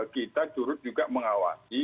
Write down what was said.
kita jurut juga mengawasi